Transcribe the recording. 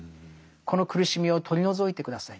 この苦しみを取り除いて下さい。